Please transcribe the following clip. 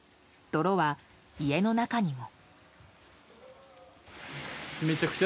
泥は家の中にも。